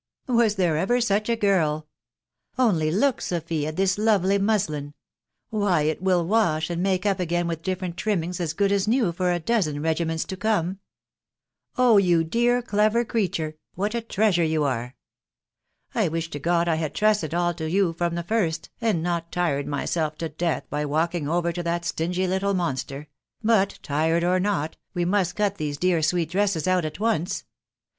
<c Was there ever such a girl !... Only look, Sophy, at this tardy muslin I Why, it will wash, and make up again with different trimmings as good as new for a dosen regiments to come !•.. Oh, you dear clever creature, what a treasure you are !... I wish to God I had trusted aU to yon from the first, and not tired myself to death by walking over to that stingy little monster ... but, tired or not, we must cut these dear sweet dresses out at once.